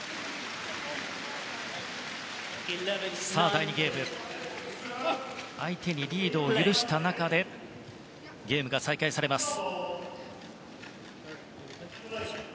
第２ゲーム相手にリードを許した中でゲームが再開されます。